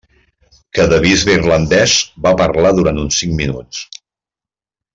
Cada bisbe irlandès va parlar durant uns cinc minuts.